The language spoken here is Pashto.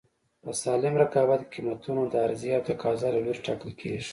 په سالم رقابت کې قیمتونه د عرضې او تقاضا له لورې ټاکل کېږي.